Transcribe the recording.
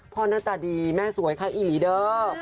หน้าตาดีแม่สวยค่ะอีหลีเด้อ